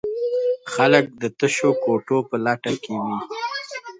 خلک د تشو کوټو په لټه کې وي.